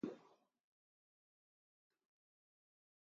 There is also increased risk of aortic dissection.